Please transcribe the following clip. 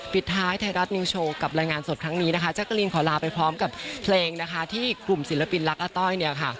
ปิดท้ายไทยรัฐนิวโชว์กับรายงานสดครั้งนี้นะคะแจ๊กกะลีนขอลาไปพร้อมกับเพลงนะคะที่กลุ่มศิลปินรักอาต้อยเนี่ยค่ะ